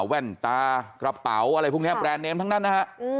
แว่นตากระเป๋าอะไรพวกนี้แบรนด์เนมทั้งนั้นนะฮะ